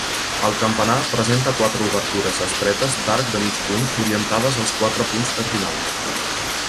El campanar presenta quatre obertures estretes d'arc de mig punt orientades als quatre punts cardinals.